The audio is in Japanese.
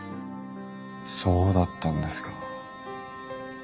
そうだったんですか。